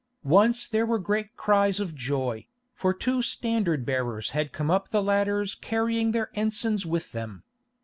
Once there were great cries of joy, for two standard bearers had come up the ladders carrying their ensigns with them.